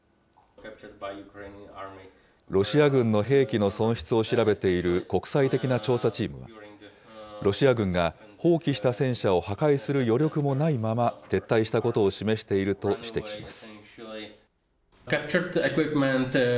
ロシア軍の兵器の損失を調べている国際的な調査チームは、ロシア軍が放棄した戦車を破壊する余力もないまま、撤退したことを示していると指摘します。